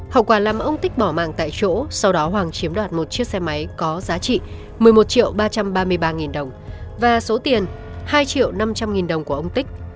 hậu quả làm ông tích bỏ mạng tại chỗ sau đó hoàng chiếm đoạt một chiếc xe máy có giá trị một mươi một triệu ba trăm ba mươi ba nghìn đồng và số tiền hai triệu năm trăm linh nghìn đồng của ông tích